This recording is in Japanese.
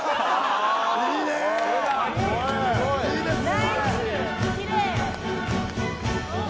いいですね！